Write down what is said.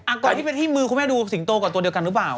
ก่อนที่ไปที่มือคุณแม่ดูสิงโตกว่าตัวเดียวกันหรือเปล่า